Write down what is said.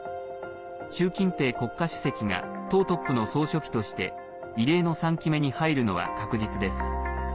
習近平国家主席が党トップの総書記として異例の３期目に入るのは確実です。